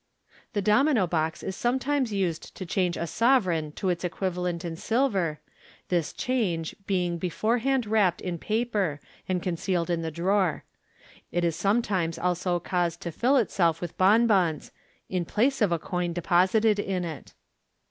The Domino box is sometimes used to change a sovereign to its equivalent in silver, tlu " change " being b forehand wrapped in paper, and concealed in the drawer. It is some imes also caused to fill itself with bonbons, in place of a coin deposited in it.